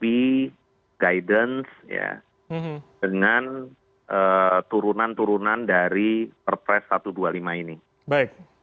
jadi guidance ya dengan turunan turunan dari perpres satu dua puluh lima ini